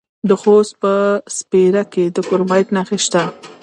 د خوست په سپیره کې د کرومایټ نښې شته.